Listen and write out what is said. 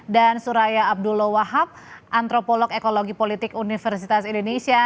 dan suraya abdullah wahab antropolog ekologi politik universitas indonesia